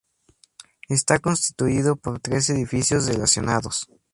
Está constituido por tres edificios relacionados.